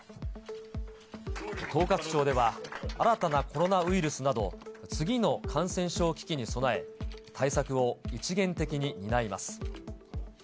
統括庁では新たなコロナウイルスなど、次の感染症危機に備え、対策を一元的に担います。